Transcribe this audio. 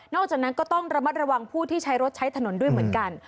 จากนั้นก็ต้องระมัดระวังผู้ที่ใช้รถใช้ถนนด้วยเหมือนกัน